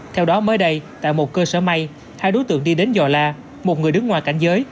theo đó mới đây tại một cơ sở may hai đối tượng đi đến giò la một người đứng ngoài cảnh giới